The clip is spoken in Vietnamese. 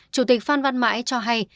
chủ tịch phan văn mãi cho hay